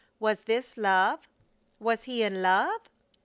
Was this love? Was he in love?